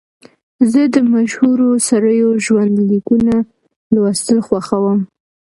زه د مشهورو سړیو ژوند لیکونه لوستل خوښوم.